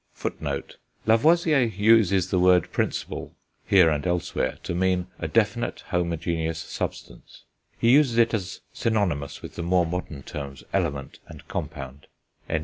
[9, 10] Lavoisier uses the word principle, here and elsewhere, to mean a definite homogeneous substance; he uses it as synonymous with the more modern terms element and compound.